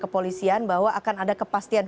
kepolisian bahwa akan ada kepastian